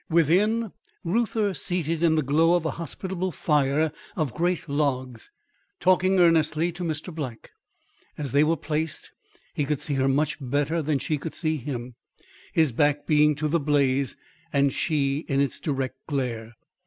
Within, Reuther seated in the glow of a hospitable fire of great logs, talking earnestly to Mr. Black. As they were placed, he could see her much better than she could see him, his back being to the blaze and she, in its direct glare.